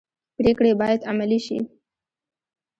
پریکړې باید عملي شي